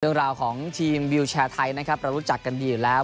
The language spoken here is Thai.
เรื่องราวของทีมวิวแชร์ไทยนะครับเรารู้จักกันดีอยู่แล้ว